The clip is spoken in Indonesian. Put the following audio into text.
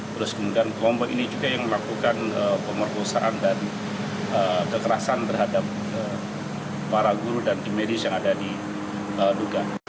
terus kemudian kelompok ini juga yang melakukan pemerkosaan dan kekerasan terhadap para guru dan tim medis yang ada di duga